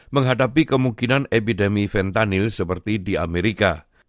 menghadapi kemungkinan epidemi fentanyl seperti di amerika